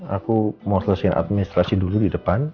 aku mau selesaikan administrasi dulu di depan